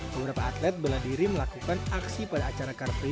beberapa atlet berlendiri melakukan aksi pada acara kartu